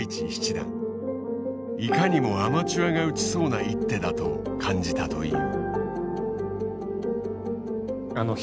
いかにもアマチュアが打ちそうな一手だと感じたという。